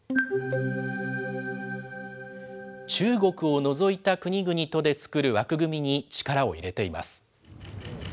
中国を除いた国々とで作る枠組みに力を入れています。